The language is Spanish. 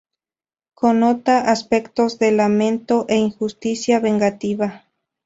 Connota aspectos de lamento e injusticia vengativa.